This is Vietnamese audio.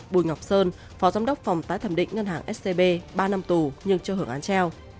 bùi ngọc sơn phó giám đốc phòng tái thẩm định ngân hàng scb ba năm tù nhưng cho hưởng án treo